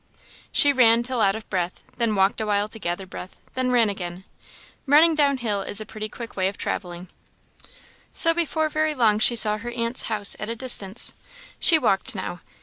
She ran till out of breath; then walked awhile to gather breath; then ran again. Running down hill is a pretty quick way of travelling; so before very long she saw her aunt's house at a distance. She walked now.